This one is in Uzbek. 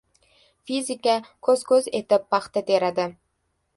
Fizika ko‘z-ko‘z etib paxta teradi.